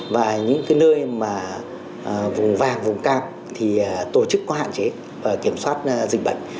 và những nơi mà vùng vàng vùng cao thì tổ chức có hạn chế và kiểm soát dịch bệnh